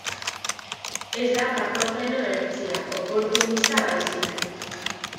Ez da patogeno hertsia, oportunista baizik.